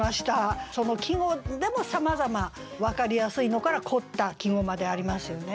季語でもさまざま分かりやすいのから凝った季語までありますよね。